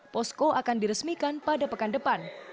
posko akan diresmikan pada pekan depan